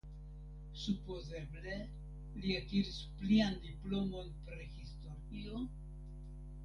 Supozeble li akiris plian diplomon pri historio?